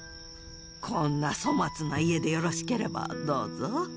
こんな粗末な家でよろしければどうぞ。